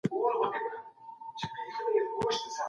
جلات خان او شمايله په دې داستانونو کي شته.